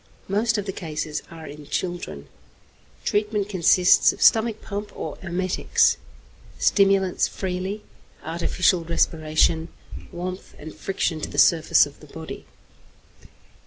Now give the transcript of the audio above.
Most of the cases are in children. Treatment consists of stomach pump or emetics, stimulants freely, artificial respiration, warmth and friction to the surface of the body.